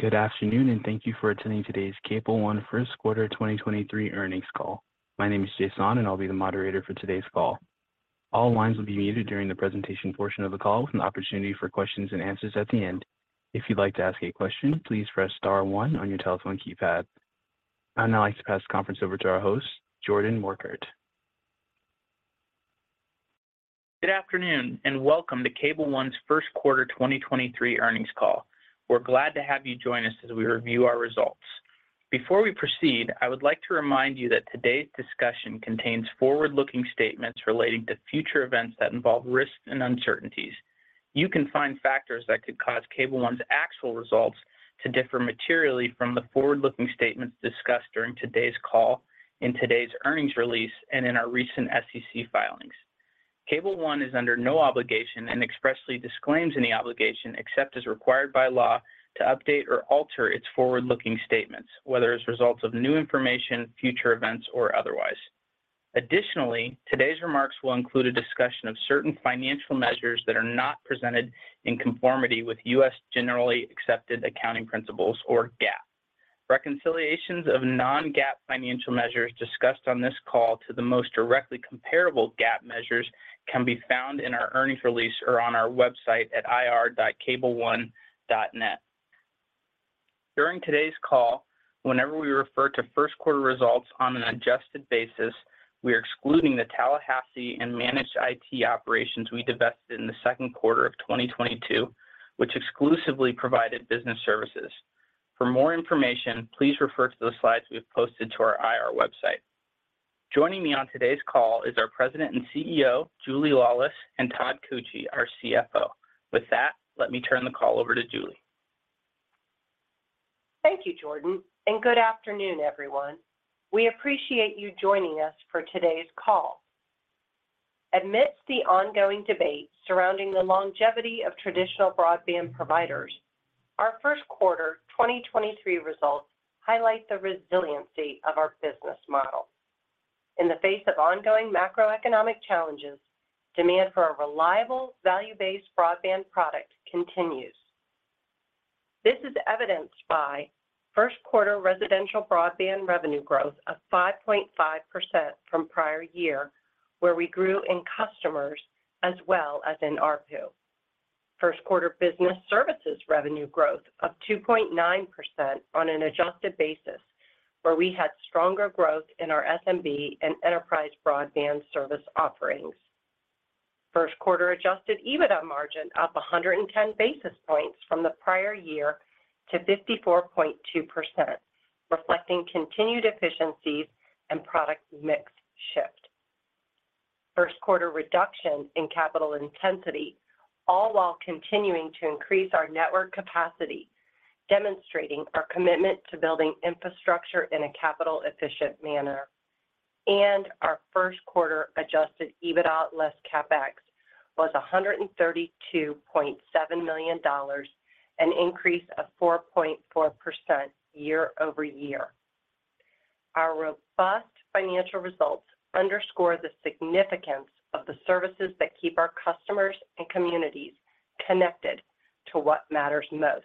Good afternoon. Thank you for attending today's Cable One First Quarter 2023 Earnings Call. My name is Jason, and I'll be the moderator for today's call. All lines will be muted during the presentation portion of the call with an opportunity for questions and answers at the end. If you'd like to ask a question, please press star one on your telephone keypad. I'd now like to pass the conference over to our host, Jordan Morkert. Good afternoon. Welcome to Cable One's First Quarter 2023 Earnings Call. We're glad to have you join us as we review our results. Before we proceed, I would like to remind you that today's discussion contains forward-looking statements relating to future events that involve risks and uncertainties. You can find factors that could cause Cable One's actual results to differ materially from the forward-looking statements discussed during today's call, in today's earnings release, and in our recent SEC filings. Cable One is under no obligation and expressly disclaims any obligation, except as required by law to update or alter its forward-looking statements, whether as results of new information, future events, or otherwise. Additionally, today's remarks will include a discussion of certain financial measures that are not presented in conformity with U.S. generally accepted accounting principles or GAAP. Reconciliations of non-GAAP financial measures discussed on this call to the most directly comparable GAAP measures can be found in our earnings release or on our website at ir.cableone.net. During today's call, whenever we refer to 1st quarter results on an adjusted basis, we are excluding the Tallahassee and Managed IT operations we divested in the 2nd quarter of 2022, which exclusively provided business services. For more information, please refer to the slides we've posted to our IR website. Joining me on today's call is our President and CEO, Julie Laulis, and Todd Koetje, our CFO. With that, let me turn the call over to Julie. Thank you, Jordan, and good afternoon, everyone. We appreciate you joining us for today's call. Amidst the ongoing debate surrounding the longevity of traditional broadband providers, our 1st quarter 2023 results highlight the resiliency of our business model. In the face of ongoing macroeconomic challenges, demand for a reliable, value-based broadband product continues. This is evidenced by 1st quarter residential broadband revenue growth of 5.5% from prior year, where we grew in customers as well as in ARPU. First quarter business services revenue growth of 2.9% on an adjusted basis, where we had stronger growth in our SMB and enterprise broadband service offerings. First quarter adjusted EBITDA margin up 110 basis points from the prior year to 54.2%, reflecting continued efficiencies and product mix shift. First quarter reduction in capital intensity, all while continuing to increase our network capacity, demonstrating our commitment to building infrastructure in a capital efficient manner. Our 1st quarter adjusted EBITDA less CapEx was $132.7 million, an increase of 4.4% year-over-year. Our robust financial results underscore the significance of the services that keep our customers and communities connected to what matters most.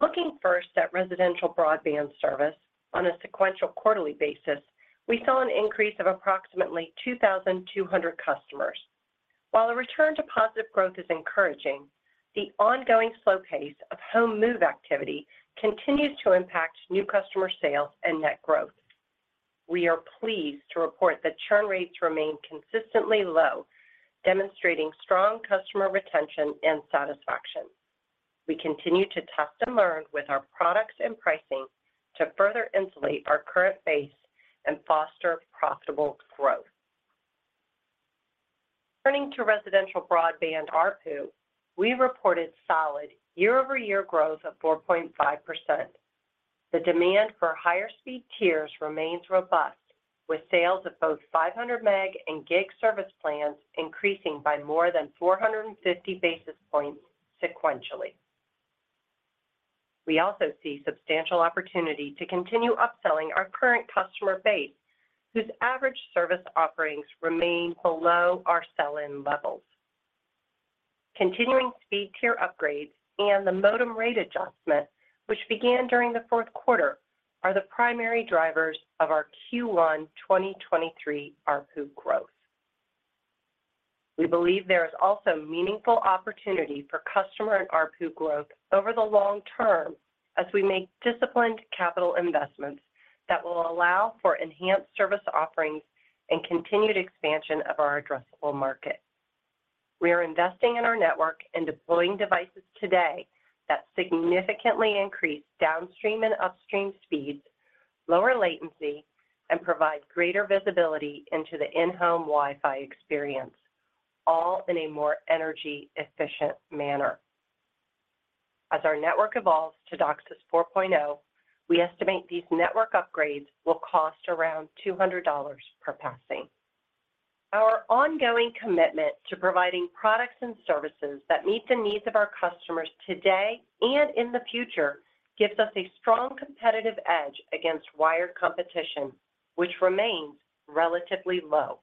Looking 1st at residential broadband service on a sequential quarterly basis, we saw an increase of approximately 2,200 customers. While a return to positive growth is encouraging, the ongoing slow pace of home move activity continues to impact new customer sales and net growth. We are pleased to report that churn rates remain consistently low, demonstrating strong customer retention and satisfaction. We continue to test and learn with our products and pricing to further insulate our current base and foster profitable growth. Turning to residential broadband ARPU, we reported solid year-over-year growth of 4.5%. The demand for higher speed tiers remains robust, with sales of both 500 MB and GB service plans increasing by more than 450 basis points sequentially. We also see substantial opportunity to continue upselling our current customer base, whose average service offerings remain below our sell-in levels. Continuing speed tier upgrades and the modem rate adjustment, which began during the 4th quarter, are the primary drivers of our Q1 2023 ARPU growth. We believe there is also meaningful opportunity for customer and ARPU growth over the long term as we make disciplined capital investments that will allow for enhanced service offerings and continued expansion of our addressable market. We are investing in our network and deploying devices today that significantly increase downstream and upstream speeds, lower latency, and provide greater visibility into the in-home Wi-Fi experience, all in a more energy efficient manner. As our network evolves to DOCSIS 4.0, we estimate these network upgrades will cost around $200 per passing. Our ongoing commitment to providing products and services that meet the needs of our customers today and in the future gives us a strong competitive edge against wired competition, which remains relatively low.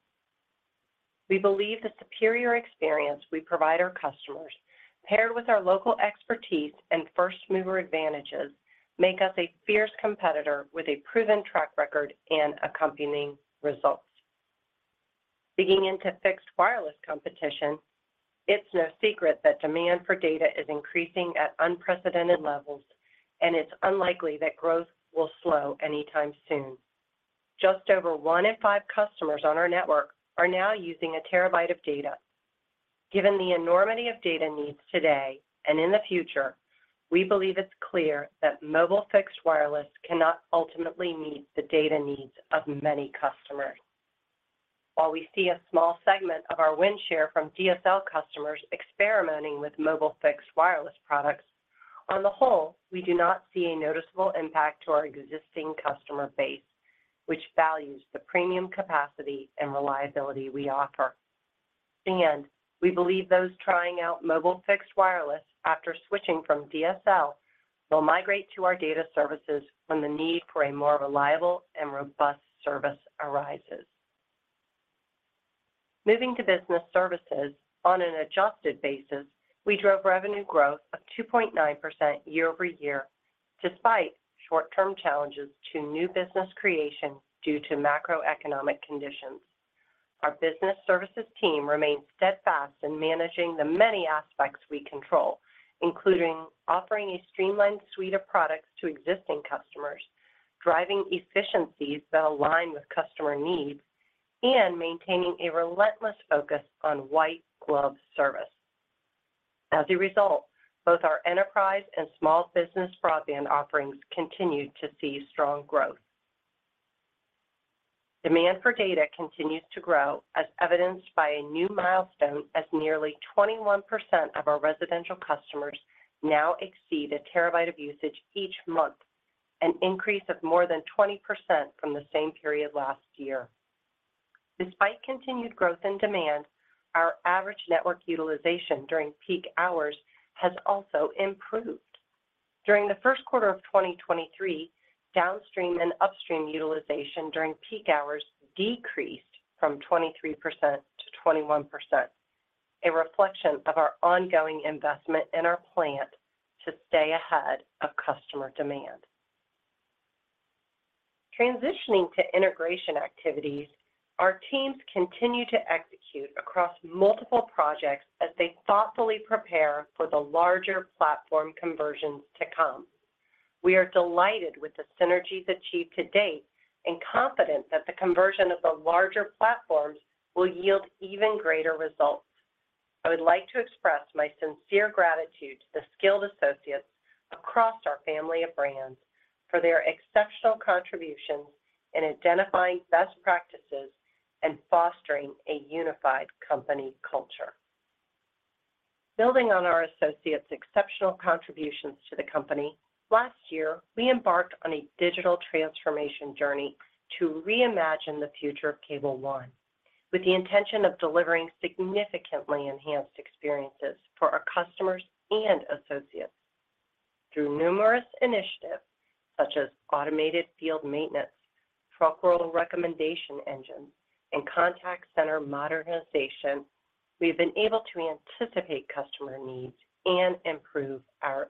We believe the superior experience we provide our customers paired with our local expertise and 1st mover advantages make us a fierce competitor with a proven track record and accompanying results. Digging into fixed wireless competition, it's no secret that demand for data is increasing at unprecedented levels. It's unlikely that growth will slow anytime soon. Just over one in five customers on our network are now using a terabyte of data. Given the enormity of data needs today and in the future, we believe it's clear that mobile fixed wireless cannot ultimately meet the data needs of many customers. While we see a small segment of our win share from DSL customers experimenting with mobile fixed wireless products, on the whole, we do not see a noticeable impact to our existing customer base, which values the premium capacity and reliability we offer. In the end, we believe those trying out mobile fixed wireless after switching from DSL will migrate to our data services when the need for a more reliable and robust service arises. Moving to business services on an adjusted basis, we drove revenue growth of 2.9% year-over-year despite short-term challenges to new business creation due to macroeconomic conditions. Our business services team remains steadfast in managing the many aspects we control, including offering a streamlined suite of products to existing customers, driving efficiencies that align with customer needs, and maintaining a relentless focus on white glove service. As a result, both our enterprise and small business broadband offerings continued to see strong growth. Demand for data continues to grow as evidenced by a new milestone as nearly 21% of our residential customers now exceed a terabyte of usage each month, an increase of more than 20% from the same period last year. Despite continued growth in demand, our average network utilization during peak hours has also improved. During the 1st quarter of 2023, downstream and upstream utilization during peak hours decreased from 23%-21%, a reflection of our ongoing investment in our plant to stay ahead of customer demand. Transitioning to integration activities, our teams continue to execute across multiple projects as they thoughtfully prepare for the larger platform conversions to come. We are delighted with the synergies achieved to date and confident that the conversion of the larger platforms will yield even greater results. I would like to express my sincere gratitude to the skilled associates across our family of brands for their exceptional contributions in identifying best practices and fostering a unified company culture. Building on our associates' exceptional contributions to the company, last year we embarked on a digital transformation journey to reimagine the future of Cable One with the intention of delivering significantly enhanced experiences for our customers and associates. Through numerous initiatives such as automated field maintenance, proactive recommendation engines, and contact center modernization, we've been able to anticipate customer needs and improve our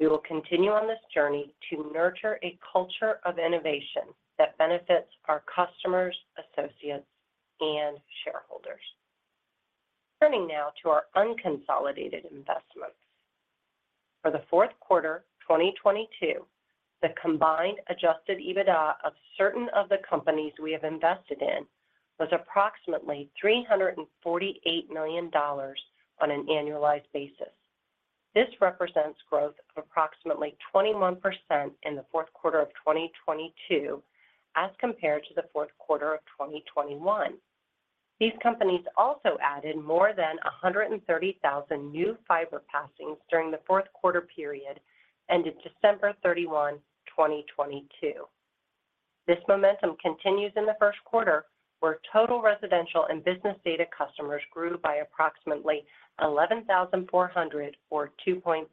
efficiency. We will continue on this journey to nurture a culture of innovation that benefits our customers, associates, and shareholders. Turning now to our unconsolidated investments. For the 4th quarter 2022, the combined adjusted EBITDA of certain of the companies we have invested in was approximately $348 million on an annualized basis. This represents growth of approximately 21% in the 4th quarter of 2022 as compared to the 4th quarter of 2021. These companies also added more than 130,000 new fiber passings during the 4th quarter period ended December 31, 2022. This momentum continues in the 1st quarter, where total residential and business data customers grew by approximately 11,400 or 2.5%.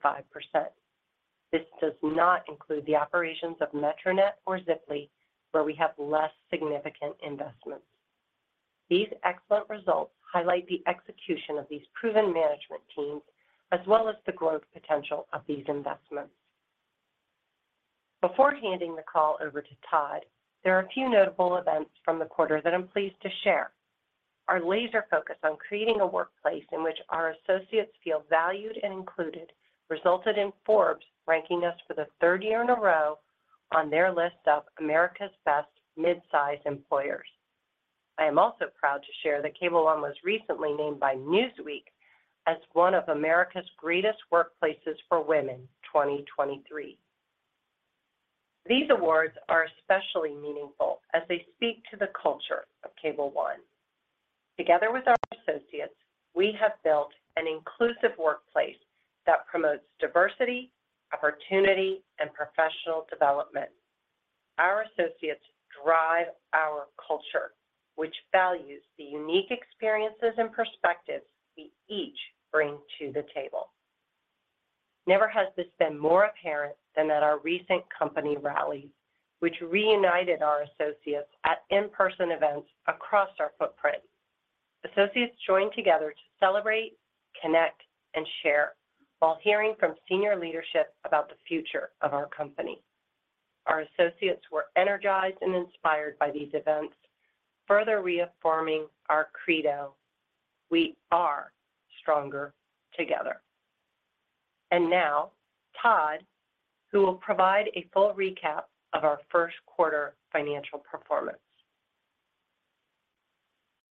This does not include the operations of Metronet or Ziply, where we have less significant investments. These excellent results highlight the execution of these proven management teams, as well as the growth potential of these investments. Before handing the call over to Todd, there are a few notable events from the quarter that I'm pleased to share. Our laser focus on creating a workplace in which our associates feel valued and included resulted in Forbes ranking us for the 3rd year in a row on their list of America's Best Midsize Employers. I am also proud to share that Cable One was recently named by Newsweek as one of America's Greatest Workplaces for Women 2023. These awards are especially meaningful as they speak to the culture of Cable One. Together with our associates, we have built an inclusive workplace that promotes diversity, opportunity, and professional development. Our associates drive our culture, which values the unique experiences and perspectives we each bring to the table. Never has this been more apparent than at our recent company rallies, which reunited our associates at in-person events across our footprint. Associates joined together to celebrate, connect, and share while hearing from senior leadership about the future of our company. Our associates were energized and inspired by these events, further reaffirming our credo, "We are stronger together." Now Todd, who will provide a full recap of our 1st quarter financial performance.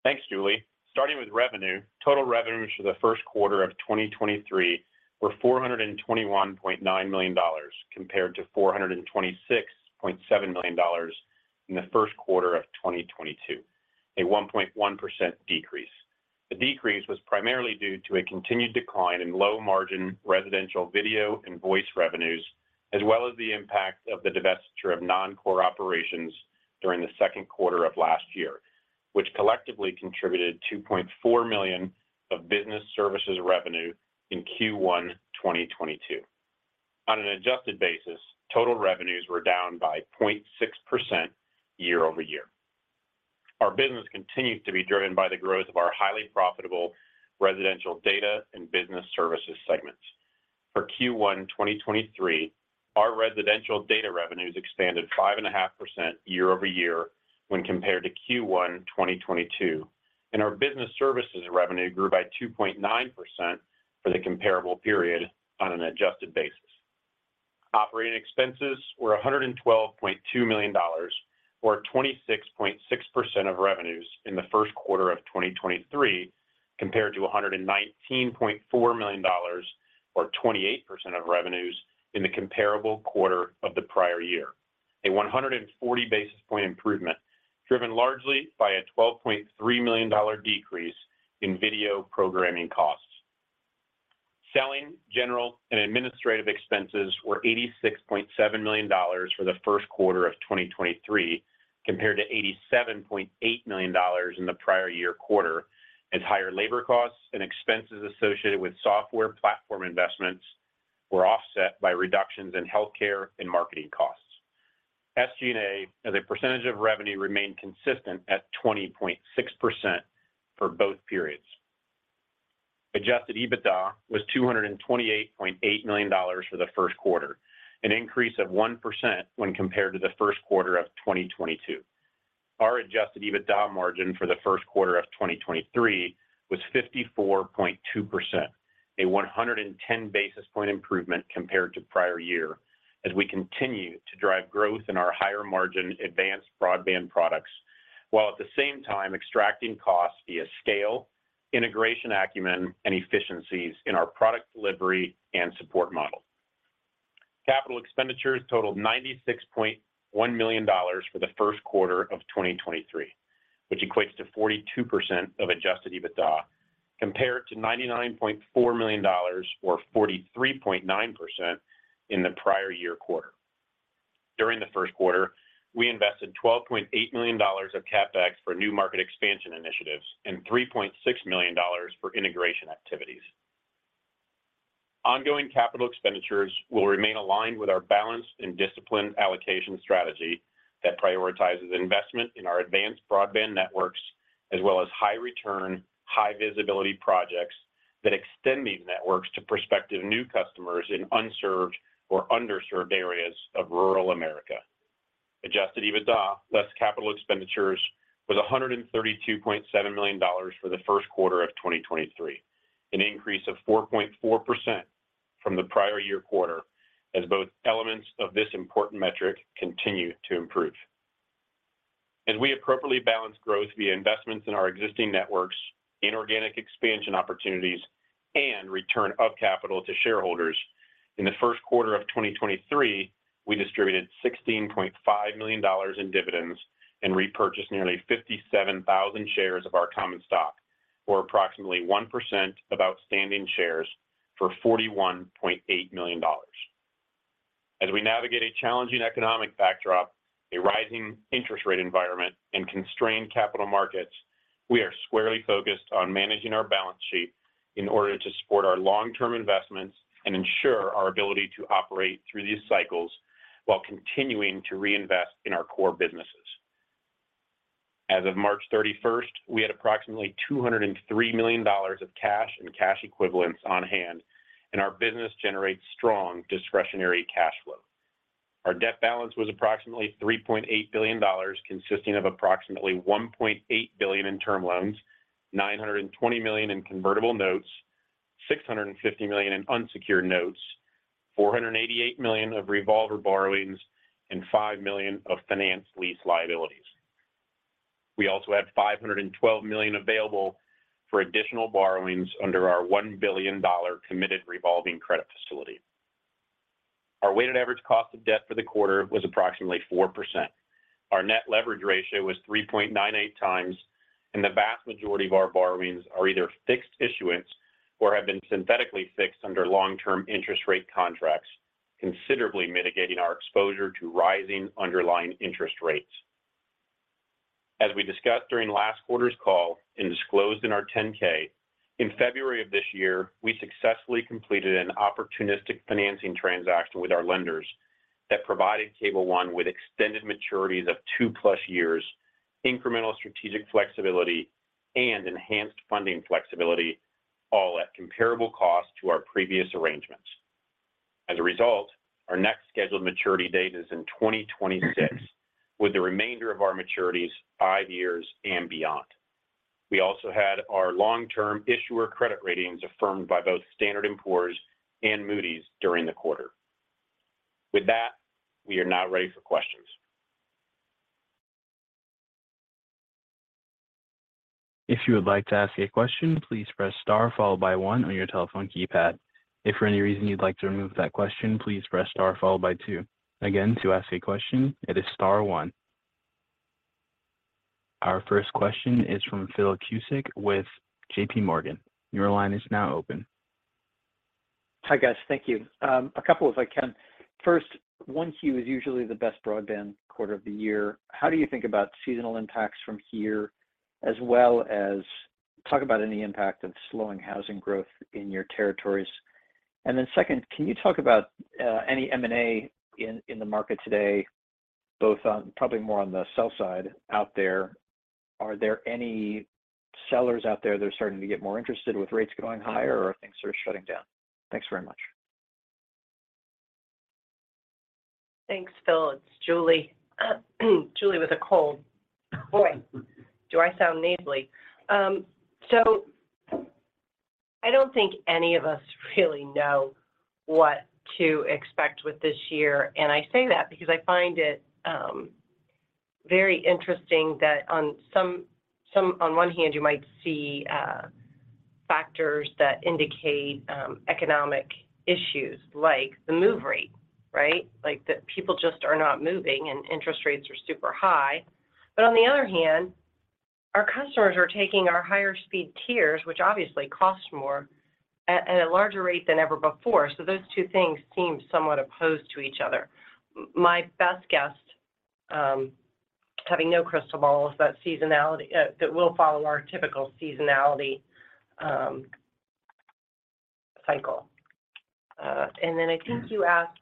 Thanks, Julie. Starting with revenue, total revenues for the 1st quarter of 2023 were $421.9 million compared to $426.7 million in the 1st quarter of 2022, a 1.1% decrease. The decrease was primarily due to a continued decline in low margin residential video and voice revenues, as well as the impact of the divestiture of non-core operations during the 2nd quarter of last year, which collectively contributed $2.4 million of business services revenue in Q1 2022. On an adjusted basis, total revenues were down by 0.6% year-over-year. Our business continues to be driven by the growth of our highly profitable residential data and business services segments. For Q1 2023, our residential data revenues expanded 5.5% year-over-year when compared to Q1 2022, and our business services revenue grew by 2.9% for the comparable period on an adjusted basis. Operating Expenses were $112.2 million or 26.6% of revenues in the 1st quarter of 2023 compared to $119.4 million or 28% of revenues in the comparable quarter of the prior year. A 140 basis point improvement, driven largely by a $12.3 million decrease in video programming costs. Selling, general and administrative expenses were $86.7 million for the 1st quarter of 2023 compared to $87.8 million in the prior year quarter as higher labor costs and expenses associated with software platform investments were offset by reductions in healthcare and marketing costs. SG&A as a percentage of revenue remained consistent at 20.6% for both periods. Adjusted EBITDA was $228.8 million for the 1st quarter, an increase of 1% when compared to the 1st quarter of 2022. Our adjusted EBITDA margin for the 1st quarter of 2023 was 54.2%, a 110 basis point improvement compared to prior year as we continue to drive growth in our higher margin advanced broadband products, while at the same time extracting costs via scale, integration acumen, and efficiencies in our product delivery and support model. Capital expenditures totaled $96.1 million for the 1st quarter of 2023, which equates to 42% of adjusted EBITDA, compared to $99.4 million or 43.9% in the prior year quarter. During the 1st quarter, we invested $12.8 million of CapEx for new market expansion initiatives and $3.6 million for integration activities. Ongoing capital expenditures will remain aligned with our balanced and disciplined allocation strategy that prioritizes investment in our advanced broadband networks, as well as high return, high visibility projects that extend these networks to prospective new customers in unserved or underserved areas of rural America. Adjusted EBITDA less capital expenditures was $132.7 million for the 1st quarter of 2023, an increase of 4.4% from the prior-year quarter as both elements of this important metric continue to improve. As we appropriately balance growth via investments in our existing networks, inorganic expansion opportunities, and return of capital to shareholders, in the 1st quarter of 2023, we distributed $16.5 million in dividends and repurchased nearly 57,000 shares of our common stock, or approximately 1% of outstanding shares for $41.8 million. As we navigate a challenging economic backdrop, a rising interest rate environment, and constrained capital markets, we are squarely focused on managing our balance sheet in order to support our long-term investments and ensure our ability to operate through these cycles while continuing to reinvest in our core businesses. As of March 31st, we had approximately $203 million of cash and cash equivalents on hand, and our business generates strong discretionary cash flow. Our debt balance was approximately $3.8 billion, consisting of approximately $1.8 billion in term loans, $920 million in convertible notes, $650 million in unsecured notes, $488 million of revolver borrowings, and $5 million of finance lease liabilities. We also have $512 million available for additional borrowings under our $1 billion committed revolving credit facility. Our weighted average cost of debt for the quarter was approximately 4%. Our net leverage ratio was 3.98x, and the vast majority of our borrowings are either fixed issuance or have been synthetically fixed under long-term interest rate contracts, considerably mitigating our exposure to rising underlying interest rates. As we discussed during last quarter's call and disclosed in our 10-K, in February of this year, we successfully completed an opportunistic financing transaction with our lenders that provided Cable One with extended maturities of 2+ years, incremental strategic flexibility, and enhanced funding flexibility, all at comparable cost to our previous arrangements. As a result, our next scheduled maturity date is in 2026, with the remainder of our maturities 5 years and beyond. We also had our long-term issuer credit ratings affirmed by both Standard & Poor's and Moody's during the quarter. With that, we are now ready for questions. If you would like to ask a question, please press star followed by one on your telephone keypad. If for any reason you'd like to remove that question, please press star followed by two. Again, to ask a question, it is star one. Our 1st question is from Philip Cusick with JPMorgan. Your line is now open. Hi, guys. Thank you. A couple if I can. First, 1Q is usually the best broadband quarter of the year. How do you think about seasonal impacts from here, as well as talk about any impact of slowing housing growth in your territories? Second, can you talk about any M&A in the market today, probably more on the sell side out there. Are there any sellers out there that are starting to get more interested with rates going higher, or are things sort of shutting down? Thanks very much. Thanks, Phil. It's Julie. Julie with a cold. Boy, do I sound nasally. I don't think any of us really know what to expect with this year. I say that because I find it very interesting that on one hand, you might see factors that indicate economic issues like the move rate, right? Like, the people just are not moving and interest rates are super high. On the other hand, our customers are taking our higher speed tiers, which obviously cost more at a larger rate than ever before. Those two things seem somewhat opposed to each other. My best guess, having no crystal ball, is that we'll follow our typical seasonality cycle. I think you asked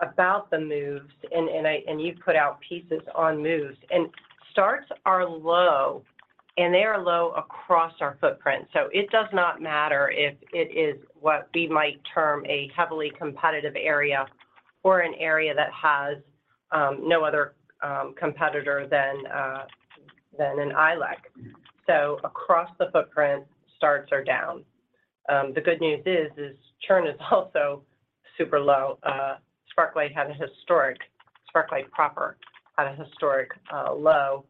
about the moves and you've put out pieces on moves. Starts are low, and they are low across our footprint. It does not matter if it is what we might term a heavily competitive area or an area that has no other competitor than an ILEC. Across the footprint, starts are down. The good news is churn is also super low. Sparklight proper had a historic low,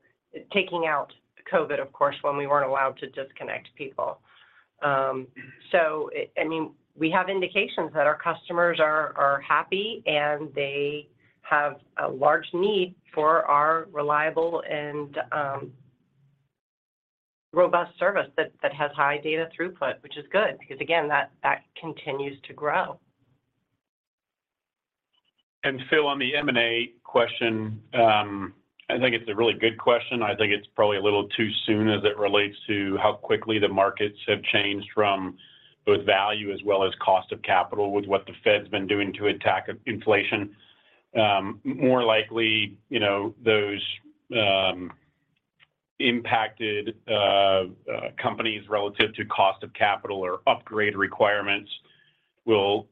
taking out COVID, of course, when we weren't allowed to disconnect people. I mean, we have indications that our customers are happy, and they have a large need for our reliable and robust service that has high data throughput, which is good, because again, that continues to grow. Phil, on the M&A question, I think it's a really good question. I think it's probably a little too soon as it relates to how quickly the markets have changed from both value as well as cost of capital with what the Fed's been doing to attack inflation. More likely, you know, those impacted companies relative to cost of capital or upgrade requirements will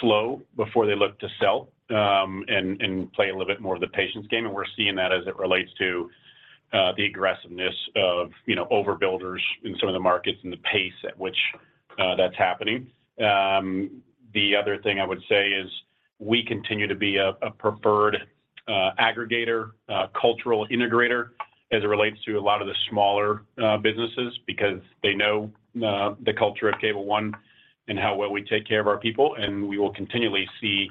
slow before they look to sell and play a little bit more of the patience game. We're seeing that as it relates to the aggressiveness of, you know, overbuilders in some of the markets and the pace at which that's happening. The other thing I would say is we continue to be a preferred aggregator, a cultural integrator as it relates to a lot of the smaller businesses because they know the culture of Cable One and how well we take care of our people. We will continually see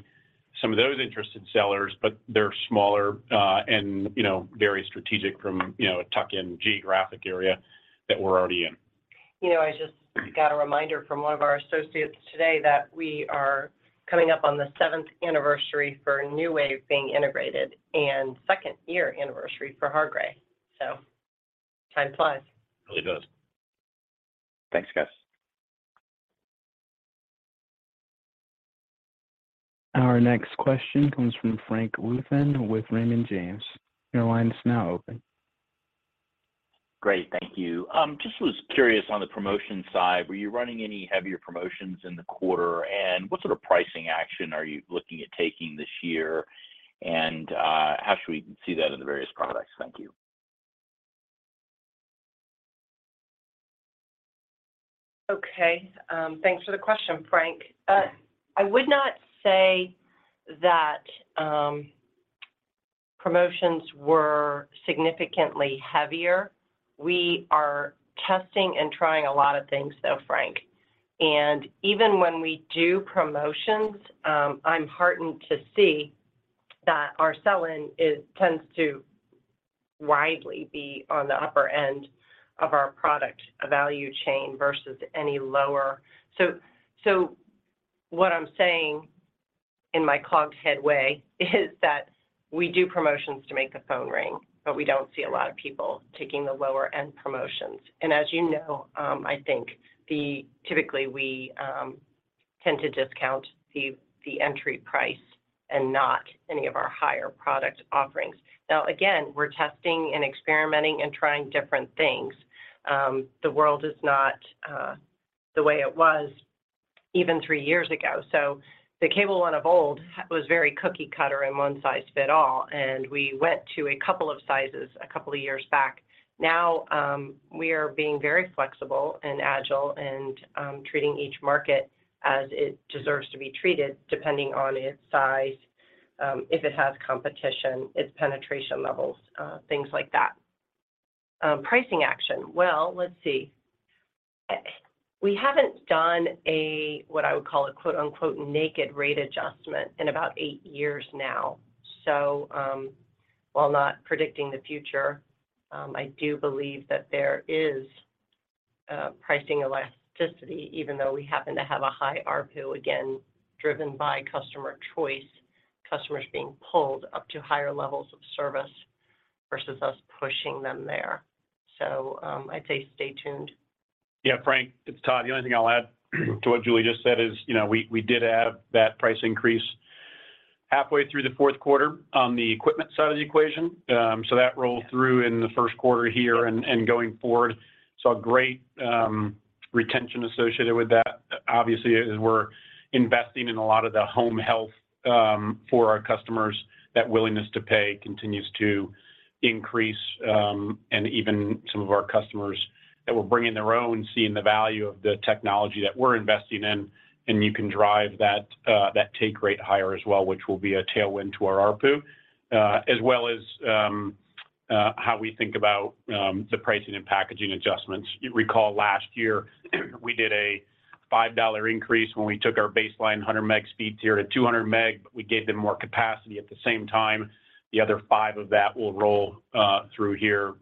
some of those interested sellers. They're smaller, and, you know, very strategic from, you know, a tuck-in geographic area that we're already in. You know, I just got a reminder from one of our associates today that we are coming up on the seventh anniversary for NewWave being integrated and 2nd year anniversary for Hargray. Time flies. Really does. Thanks, guys. Our next question comes from Frank Louthan with Raymond James. Your line is now open. Great. Thank you. just was curious on the promotion side, were you running any heavier promotions in the quarter? What sort of pricing action are you looking at taking this year? How should we see that in the various products? Thank you. Okay. Thanks for the question, Frank. I would not say that promotions were significantly heavier. We are testing and trying a lot of things, though, Frank. Even when we do promotions, I'm heartened to see that our sell-in tends to widely be on the upper end of our product value chain versus any lower. What I'm saying in my clogged head way is that we do promotions to make the phone ring, but we don't see a lot of people taking the lower-end promotions. As you know, I think typically we tend to discount the entry price and not any of our higher product offerings. Again, we're testing and experimenting and trying different things. The world is not the way it was even 3 years ago. The Cable One of old was very cookie cutter and one size fit all, and we went to a couple of sizes a couple of years back. We are being very flexible and agile and treating each market as it deserves to be treated depending on its size, if it has competition, its penetration levels, things like that. Pricing action. Well, let's see. We haven't done a what I would call a quote-unquote naked rate adjustment in about eight years now. While not predicting the future, I do believe that there is pricing elasticity even though we happen to have a high ARPU, again, driven by customer choice, customers being pulled up to higher levels of service versus us pushing them there. I'd say stay tuned. Yeah. Frank, it's Todd. The only thing I'll add to what Julie just said is, you know, we did have that price increase halfway through the 4th quarter on the equipment side of the equation. That rolled through in the 1st quarter here and going forward. Saw great retention associated with that. Obviously, as we're investing in a lot of the home health for our customers, that willingness to pay continues to increase. Even some of our customers that were bringing their own, seeing the value of the technology that we're investing in, and you can drive that take rate higher as well, which will be a tailwind to our ARPU. As well as how we think about the pricing and packaging adjustments. You recall last year, we did a $5 increase when we took our baseline 100 MB speeds here to 200 MB. We gave them more capacity at the same time. The other 5 of that will roll through here,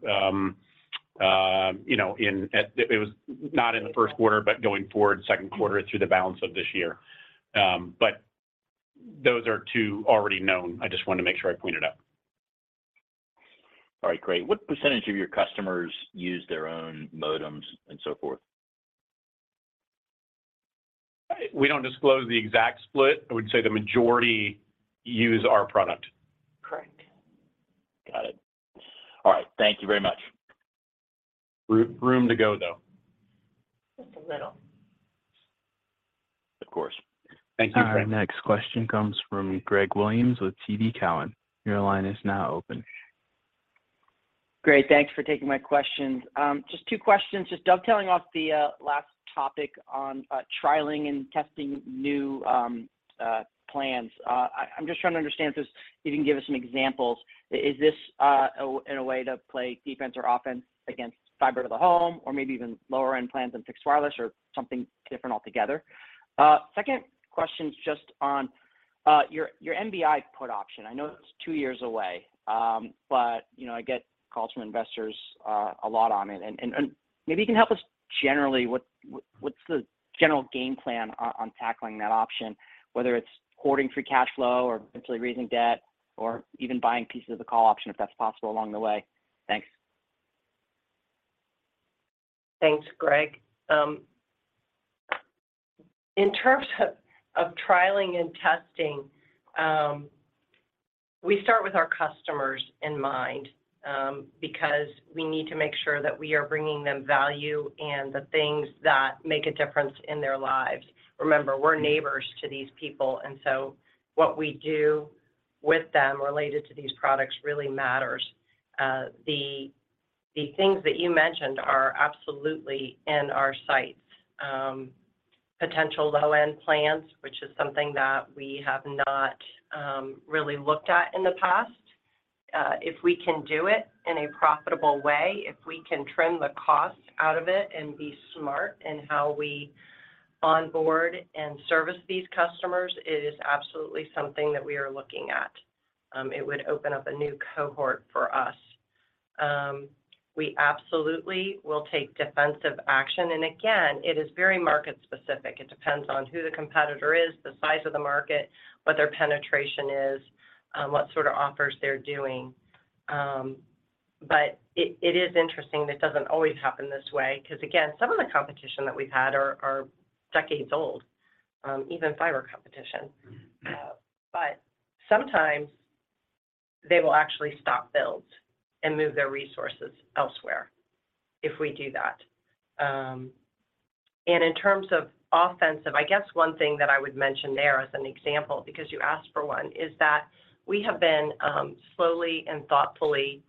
you know, it was not in the 1st quarter, but going forward 2nd quarter through the balance of this year. Those are 2 already known. I just wanted to make sure I point it out. All right. Great. What percentage of your customers use their own modems and so forth? We don't disclose the exact split. I would say the majority use our product. Correct. Got it. All right. Thank you very much. Room to go, though. Just a little. Of course. Thank you, Frank. Our next question comes from Gregory Williams with TD Cowen. Your line is now open. Great. Thanks for taking my questions. Just two questions. Just dovetailing off the last topic on trialing and testing new plans. I'm just trying to understand if you can give us some examples. Is this in a way to play defense or offense against fiber to the home or maybe even lower-end plans than fixed wireless or something different altogether? Second question is just on your MBI put option. I know it's two years away, but, you know, I get calls from investors a lot on it. Maybe you can help us generally, what's the general game plan on tackling that option, whether it's hoarding free cash flow or potentially raising debt or even buying pieces of the call option if that's possible along the way? Thanks. Thanks, Greg. In terms of trialing and testing, we start with our customers in mind, because we need to make sure that we are bringing them value and the things that make a difference in their lives. Remember, we're neighbors to these people, and so what we do with them related to these products really matters. The things that you mentioned are absolutely in our sights. Potential low-end plans, which is something that we have not really looked at in the past. If we can do it in a profitable way, if we can trim the cost out of it and be smart in how we onboard and service these customers, it is absolutely something that we are looking at. It would open up a new cohort for us. We absolutely will take defensive action. Again, it is very market specific. It depends on who the competitor is, the size of the market, what their penetration is, what sort of offers they're doing. It is interesting that it doesn't always happen this way because again, some of the competition that we've had are decades old, even fiber competition. Sometimes they will actually stop builds and move their resources elsewhere if we do that. In terms of offensive, I guess one thing that I would mention there as an example because you asked for one is that we have been slowly and thoughtfully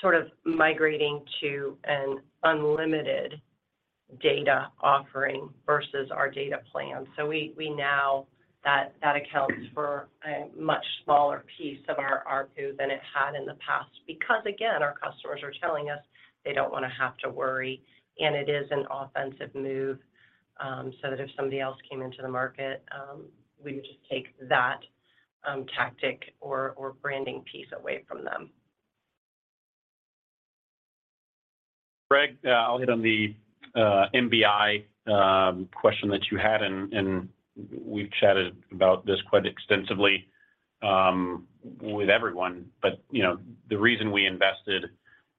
sort of migrating to an unlimited data offering versus our data plan. We now that accounts for a much smaller piece of our ARPU than it had in the past because again, our customers are telling us they don't want to have to worry, and it is an offensive move, so that if somebody else came into the market, we would just take that tactic or branding piece away from them. I'll hit on the MBI question that you had and we've chatted about this quite extensively with everyone. You know, the reason we invested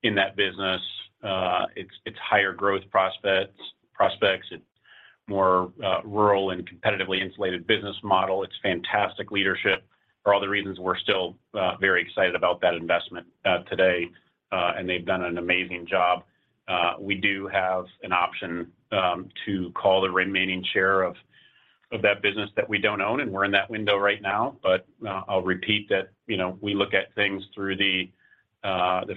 in that business, it's higher growth prospects. It's more rural and competitively insulated business model. It's fantastic leadership. For all the reasons we're still very excited about that investment today. They've done an amazing job. We do have an option to call the remaining share of that business that we don't own, and we're in that window right now. I'll repeat that, you know, we look at things through the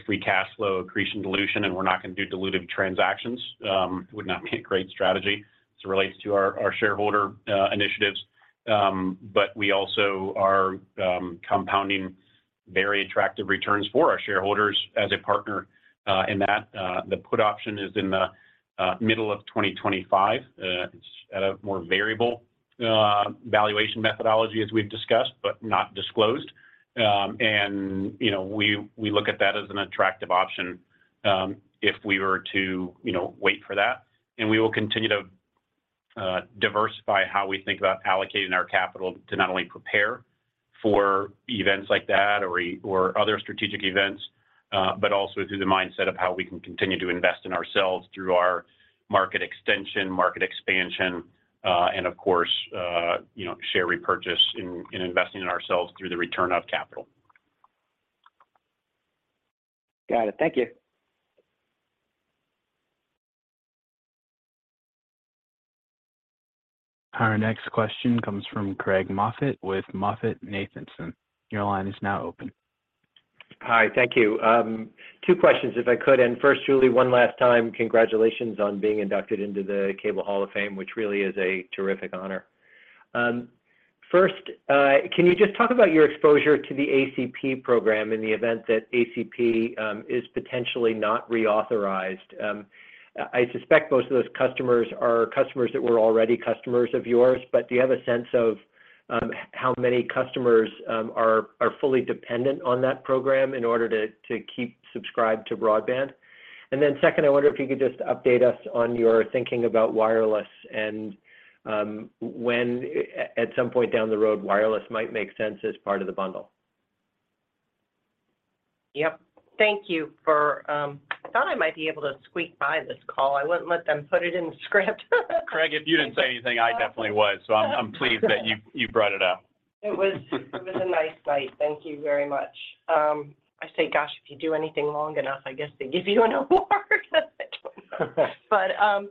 free cash flow accretion dilution, and we're not gonna do dilutive transactions. It would not be a great strategy as it relates to our shareholder initiatives. We also are compounding very attractive returns for our shareholders as a partner in that. The put option is in the middle of 2025. It's at a more variable valuation methodology as we've discussed, but not disclosed. You know, we look at that as an attractive option, if we were to, you know, wait for that. We will continue to diversify how we think about allocating our capital to not only prepare for events like that or other strategic events, but also through the mindset of how we can continue to invest in ourselves through our market extension, market expansion, and of course, you know, share repurchase in investing in ourselves through the return of capital. Got it. Thank you. Our next question comes from Craig Moffett with MoffettNathanson. Your line is now open. Hi. Thank you. Two questions if I could. First, Julie, one last time, congratulations on being inducted into the Cable Hall of Fame, which really is a terrific honor. First, can you just talk about your exposure to the ACP program in the event that ACP is potentially not reauthorized? I suspect most of those customers are customers that were already customers of yours, but do you have a sense of how many customers are fully dependent on that program in order to keep subscribed to broadband? Second, I wonder if you could just update us on your thinking about wireless and when at some point down the road, wireless might make sense as part of the bundle. Yep. Thank you for. I thought I might be able to squeak by this call. I wouldn't let them put it in the script. Craig, if you didn't say anything, I definitely was. I'm pleased that you brought it up. It was a nice fight. Thank you very much. I say, gosh, if you do anything long enough, I guess they give you an award. I don't know.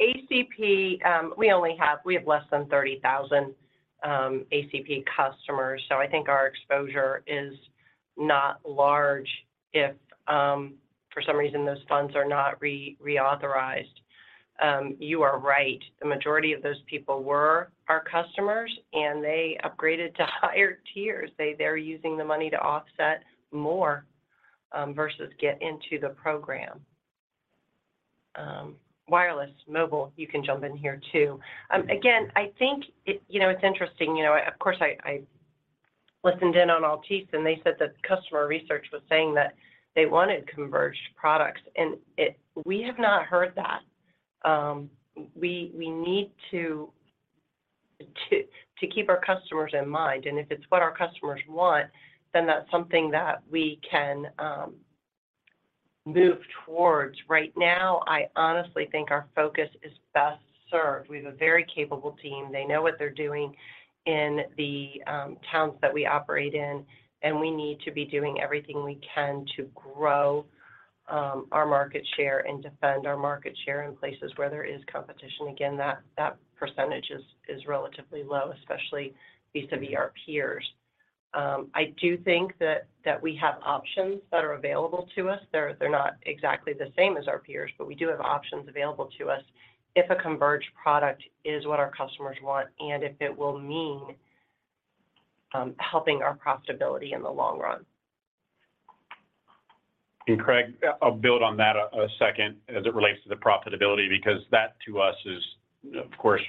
ACP, we have less than 30,000 ACP customers, so I think our exposure is not large if, for some reason those funds are not reauthorized. You are right. The majority of those people were our customers, and they upgraded to higher tiers. They're using the money to offset more versus get into the program. Wireless, mobile, you can jump in here too. Again, I think it, you know, it's interesting. You know, of course, I listened in on Altice, and they said that customer research was saying that they wanted converged products and we have not heard that. We need to keep our customers in mind, and if it's what our customers want, then that's something that we can move towards. Right now, I honestly think our focus is best served. We have a very capable team. They know what they're doing in the towns that we operate in, and we need to be doing everything we can to grow our market share and defend our market share in places where there is competition. Again, that percentage is relatively low, especially vis-à-vis our peers. I do think that we have options that are available to us. They're not exactly the same as our peers, but we do have options available to us if a converged product is what our customers want and if it will mean helping our profitability in the long run. Craig, I'll build on that a 2nd as it relates to the profitability because that to us is, of course,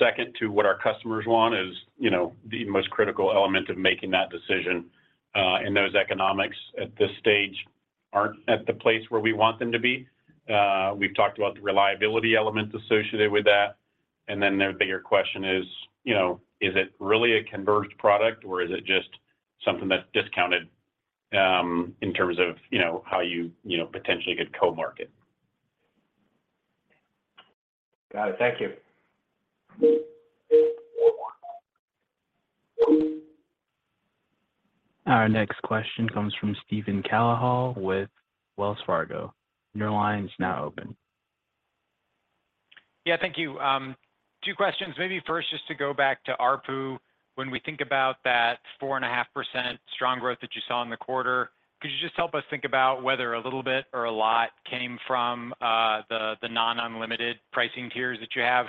2nd to what our customers want is, you know, the most critical element of making that decision. Those economics at this stage aren't at the place where we want them to be. We've talked about the reliability elements associated with that. The bigger question is, you know, is it really a converged product, or is it just something that's discounted, in terms of, you know, how you know, potentially could co-market? Got it. Thank you. Our next question comes from Steven Cahall with Wells Fargo. Your line is now open. Yeah. Thank you. two questions. Maybe 1st, just to go back to ARPU. When we think about that 4.5% strong growth that you saw in the quarter, could you just help us think about whether a little bit or a lot came from the non-unlimited pricing tiers that you have?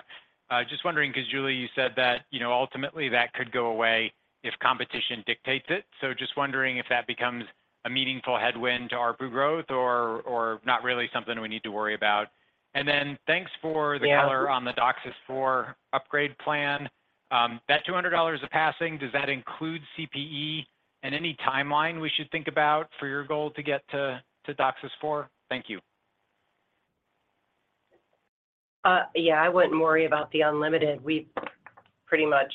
Just wondering 'cause Julie, you said that, you know, ultimately, that could go away if competition dictates it. Just wondering if that becomes a meaningful headwind to ARPU growth or not really something we need to worry about. Thanks for the color on the DOCSIS 4 upgrade plan. That $200 a passing, does that include CPE and any timeline we should think about for your goal to get to DOCSIS 4? Thank you. Yeah, I wouldn't worry about the unlimited. We've pretty much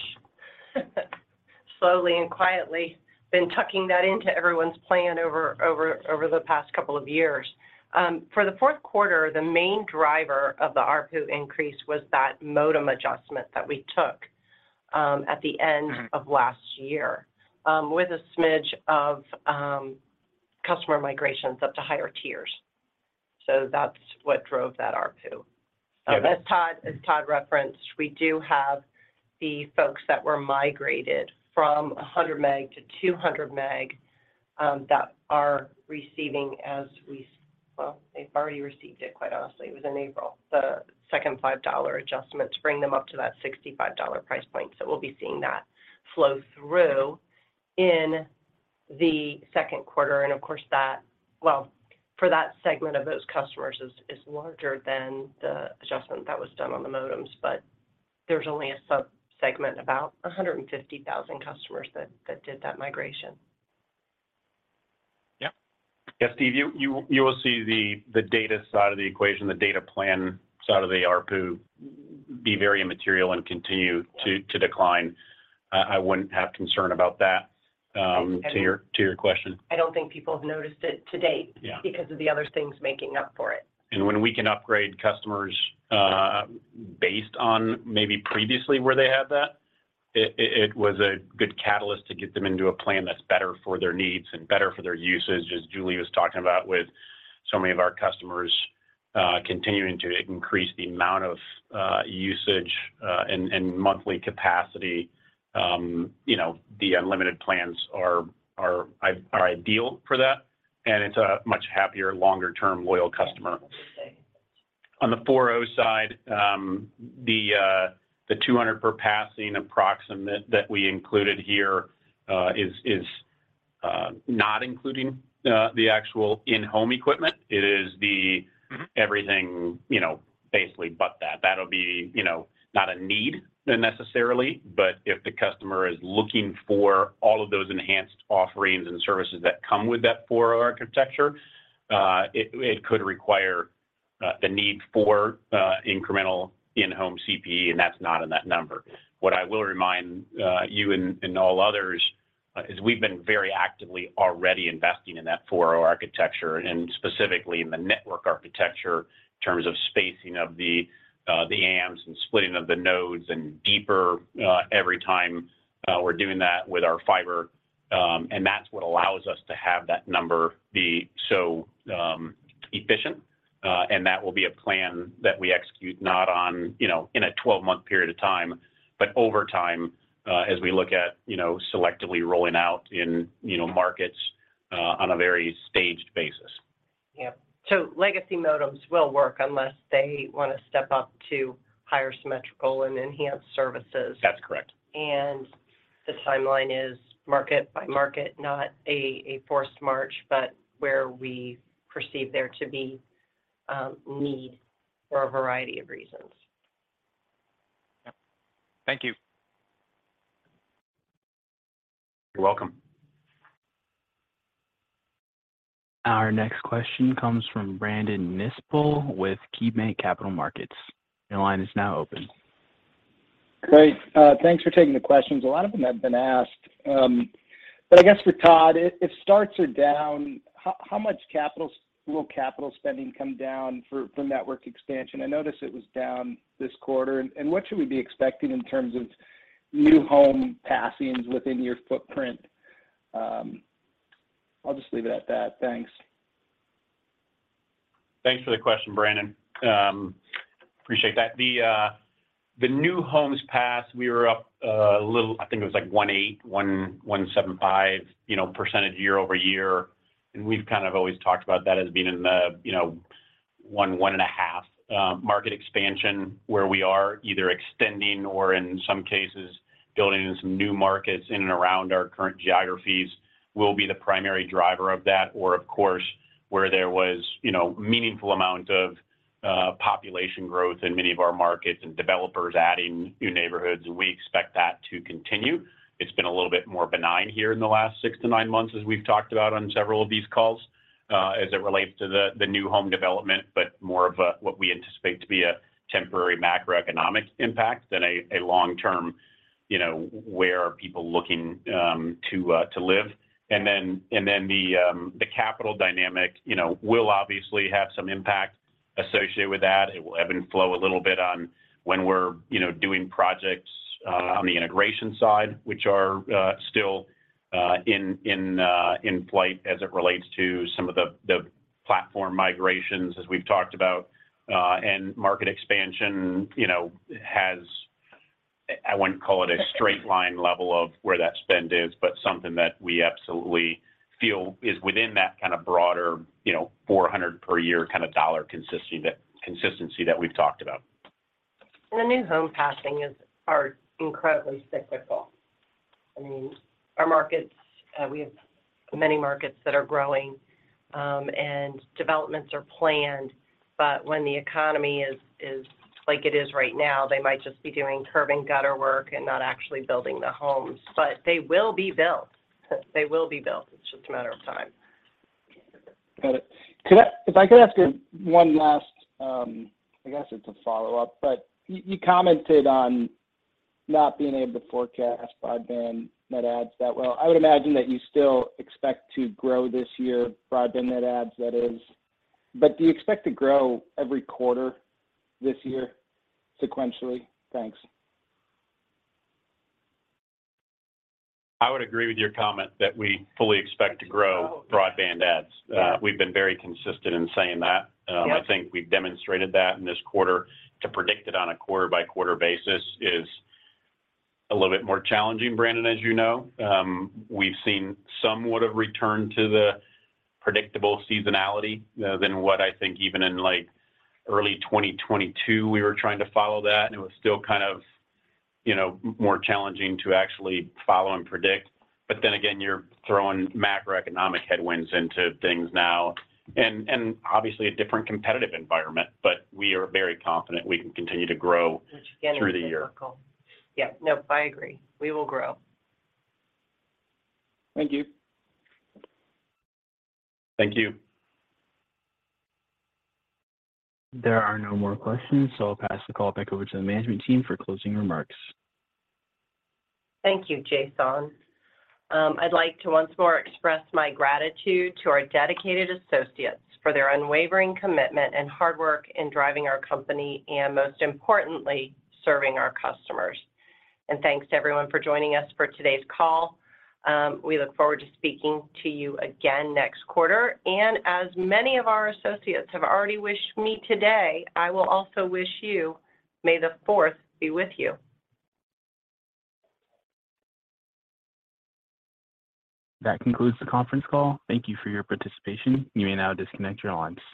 slowly and quietly been tucking that into everyone's plan over the past couple of years. For the 4th quarter, the main driver of the ARPU increase was that modem adjustment that we took at the end of last year, with a smidge of customer migrations up to higher tiers. That's what drove that ARPU. Okay. As Todd referenced, we do have the folks that were migrated from 100 MB-200 MB, that are receiving. Well, they've already received it, quite honestly. It was in April. The 2nd $5 adjustment to bring them up to that $65 price point. We'll be seeing that flow through in the 2nd quarter. Of course Well, for that segment of those customers is larger than the adjustment that was done on the modems, but there's only a subsegment, about 150,000 customers that did that migration. Yep. Yeah, Steve, you will see the data side of the equation, the data plan side of the ARPU be very immaterial and continue to decline. I wouldn't have concern about that to your question. I don't think people have noticed it to date. Yeah... because of the other things making up for it. When we can upgrade customers, based on maybe previously where they had that, it was a good catalyst to get them into a plan that's better for their needs and better for their usage, as Julie was talking about, with so many of our customers, continuing to increase the amount of usage and monthly capacity. You know, the unlimited plans are ideal for that, and it's a much happier, longer term loyal customer. Yeah. Same. On the 4.0 side, the 200 per passing approximate that we included here is not including the actual in-home equipment. It is the everything, you know, basically but that. That'll be, you know, not a need necessarily, but if the customer is looking for all of those enhanced offerings and services that come with that 4.0 architecture, it could require the need for incremental in-home CPE, and that's not in that number. What I will remind you and all others is we've been very actively already investing in that 4.0 architecture and specifically in the network architecture in terms of spacing of the AMS and splitting of the nodes and deeper every time we're doing that with our fiber. That's what allows us to have that number be so efficient. That will be a plan that we execute not on, you know, in a 12-month period of time, but over time, as we look at, you know, selectively rolling out in, you know, markets, on a very staged basis. Yeah. Legacy modems will work unless they want to step up to higher symmetrical and enhanced services. That's correct. The timeline is market by market, not a forced march, but where we perceive there to be a need for a variety of reasons. Yep. Thank you. You're welcome. Our next question comes from Brandon Nispel with KeyBanc Capital Markets. Your line is now open. Great. Thanks for taking the questions. A lot of them have been asked. I guess for Todd, if starts are down, how much capital spending come down for network expansion? I noticed it was down this quarter. What should we be expecting in terms of new home passings within your footprint? I'll just leave it at that. Thanks. Thanks for the question, Brandon. appreciate that. The new homes passed, we were up a little, I think it was like 1.8175% year-over-year. We've kind of always talked about that as being in the, you know, 1.5, market expansion where we are either extending or in some cases building in some new markets in and around our current geographies will be the primary driver of that. Of course, where there was, you know, meaningful amount of, population growth in many of our markets and developers adding new neighborhoods. We expect that to continue. It's been a little bit more benign here in the last 6-9 months as we've talked about on several of these calls, as it relates to the new home development, but more of a, what we anticipate to be a temporary macroeconomic impact than a long term, you know, where are people looking to live. The capital dynamic, you know, will obviously have some impact associated with that. It will ebb and flow a little bit on when we're, you know, doing projects on the integration side, which are still in flight as it relates to some of the platform migrations as we've talked about. Market expansion, you know, has... I wouldn't call it a straight line level of where that spend is, but something that we absolutely feel is within that kind of broader, you know, $400 per year kind of dollar consistency that we've talked about. The new home passings are incredibly cyclical. I mean, our markets, we have many markets that are growing, and developments are planned, but when the economy is like it is right now, they might just be doing curb and gutter work and not actually building the homes. They will be built. They will be built. It's just a matter of time. Got it. If I could ask one last, I guess it's a follow-up, but you commented on not being able to forecast broadband net adds that well. I would imagine that you still expect to grow this year, broadband net adds that is. Do you expect to grow every quarter this year sequentially? Thanks. I would agree with your comment that we fully expect to grow broadband adds. We've been very consistent in saying that. I think we've demonstrated that in this quarter. To predict it on a quarter-by-quarter basis is a little bit more challenging, Brandon, as you know. We've seen somewhat of return to the predictable seasonality than what I think even in, like, early 2022 we were trying to follow that, and it was still kind of, you know, more challenging to actually follow and predict. Again, you're throwing macroeconomic headwinds into things now and obviously a different competitive environment. We are very confident we can continue to grow through the year. Which again is cyclical. Yeah. No, I agree. We will grow. Thank you. Thank you. There are no more questions. I'll pass the call back over to the management team for closing remarks. Thank you, Jason. I'd like to once more express my gratitude to our dedicated associates for their unwavering commitment and hard work in driving our company and most importantly, serving our customers. Thanks to everyone for joining us for today's call. We look forward to speaking to you again next quarter. As many of our associates have already wished me today, I will also wish you, May the 4th be with you. That concludes the conference call. Thank you for your participation. You may now disconnect your lines.